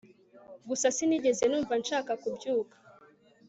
gusa sinigeze numva nshaka kubyuka